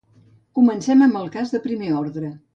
Comencem amb el cas de primer ordre.